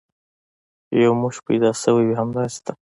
یو موش پیدا شوی وي، همداسې ده.